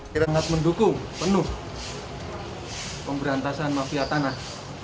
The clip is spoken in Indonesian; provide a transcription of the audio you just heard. kita mendukung penuh pemberantasan mafia tanah